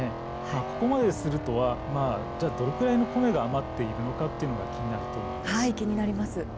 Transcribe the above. ここまでするとはどのくらいの米が余っているのかというのが気になると思います。